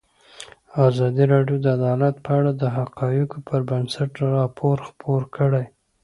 ازادي راډیو د عدالت په اړه د حقایقو پر بنسټ راپور خپور کړی.